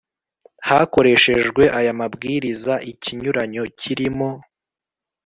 hakoreshejwe aya mabwiriza ikinyuranyo kirimo